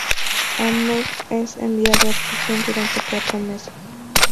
Hammer es enviado a prisión durante cuatro meses.